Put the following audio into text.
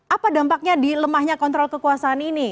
apa dampaknya di lemahnya kontrol kekuasaan ini